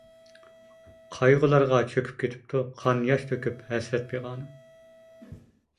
قايغۇلارغا چۆكۈپ كېتىپتۇ، قان-ياش تۆكۈپ ھەسرەت پىغانىم.